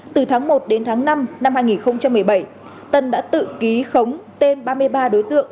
từ tháng một đến tháng năm năm hai nghìn một mươi bảy tân đã tự ký khống tên ba mươi ba đối tượng